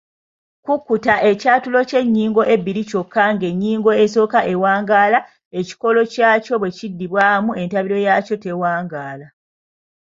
kuutakuuta:Ekyatulo eky’ennyingo ebbiri kyokka ng’ennyingo esooka ewangaala, ekikolo kyakyo bwe kiddibwamu entabiro yaakyo tewaangaala.